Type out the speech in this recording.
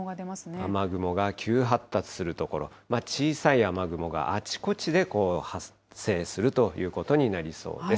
雨雲が急発達する所、小さい雨雲があちこちで発生するということになりそうです。